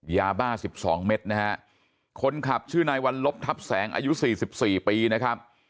ยาบ้า๑๒เมตรนะฮะคนขับชื่อนายวัลลบทับแสงอายุ๔๔ปีนะครับ